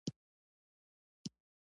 بدن یې ایمني سيستم کمزوری وي.